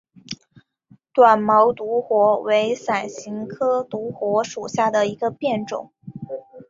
短毛独活为伞形科独活属下的一个变种。